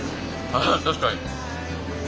あっ確かに。